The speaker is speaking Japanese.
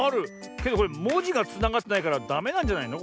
けどこれもじがつながってないからダメなんじゃないの？